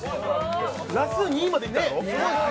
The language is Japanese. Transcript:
ラス２までいったの？